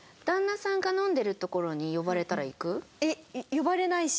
「呼ばれないし」。